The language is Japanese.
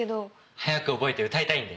早く覚えて歌いたいんで。